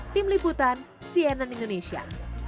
tim liputan cnn indonesia